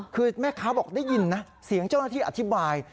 คือแม่ค้าบอกได้ยินนะเสียงเจ้าหน้าที่อธิบาย